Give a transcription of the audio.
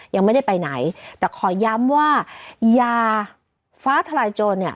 ยังไม่ได้ไปไหนแต่ขอย้ำว่ายาฟ้าทลายโจรเนี่ย